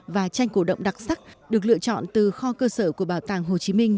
và tranh cổ động đặc sắc được lựa chọn từ kho cơ sở của bảo tàng hồ chí minh